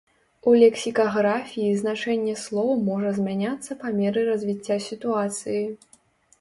У лексікаграфіі значэнне слоў можа змяняцца па меры развіцця сітуацыі.